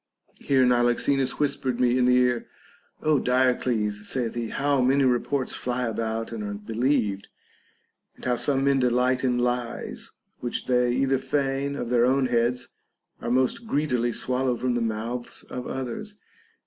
Here Niloxenus whispered me in the ear: Ο Diodes, saith he, how many reports fly about and are believed, and how some men delight in lies which they either feign of their own heads or most greedily swallow from the mouths of others.